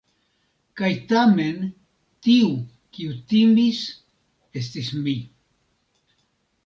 Kaj tamen, tiu, kiu timis, estis mi.